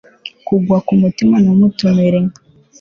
Kugwa kumutima ntumutumire